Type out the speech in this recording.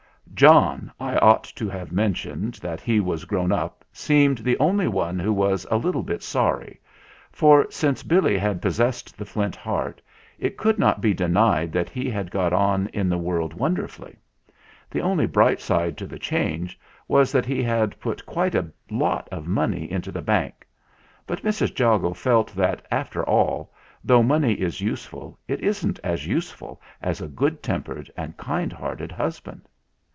John I ought to have mentioned that he was grown up seemed the only one who was a little bit sorry, for since Billy had possessed the Flint Heart it could not be denied that he had got on in the world wonderfully. The only bright side to the change was that he had put quite a lot of money into the bank ; but Mrs. Jago felt that, after all, though money is useful, it isn't as useful as a good tempered and kind hearted husband.